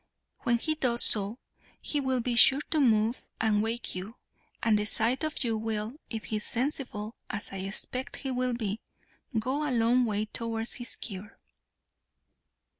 When he does so, he will be sure to move and wake you, and the sight of you will, if he is sensible, as I expect he will be, go a long way towards his cure."